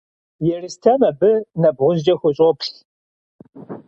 Ерстэм абы нэбгъузкӏэ хущӏоплъ.